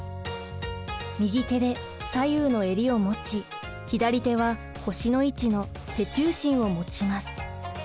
右手で左右のえりを持ち左手は腰の位置の背中心を持ちます。